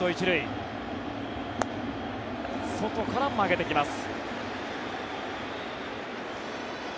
外から曲げてきます。